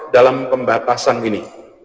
dalam pembatasan ini